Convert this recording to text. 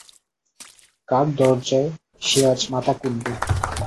কার দরজায় সে আজ মাথা কুটবে?